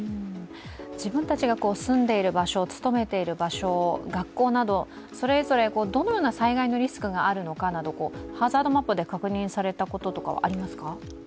自分たちが住んでいる場所、勤めている場所、学校など、それぞれ、どのような災害のリスクがあるのかなどハザードマップで確認されたことはありますか？